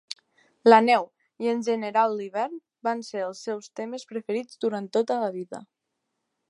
La neu i, en general, l'hivern, van ser els seus temes preferits durant tota la vida.